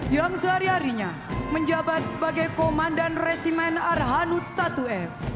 yang sehari harinya menjabat sebagai komandan resimen arhanud satu f